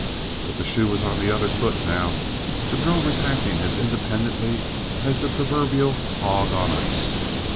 But the shoe was on the other foot now, the drovers acting as independently as the proverbial hog on ice.